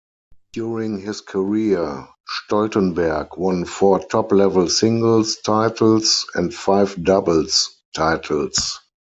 During his career, Stoltenberg won four top-level singles titles and five doubles titles.